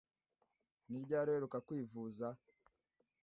Ni ryari uheruka kwivuza?